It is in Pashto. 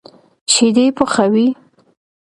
شيدې پخوي.